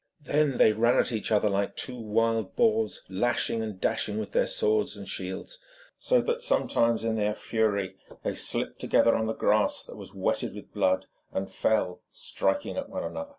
Then they ran at each other like two wild boars, lashing and dashing with their swords and shields, so that sometimes in their fury they slipped together on the grass, which was wetted with blood, and fell striking at each other.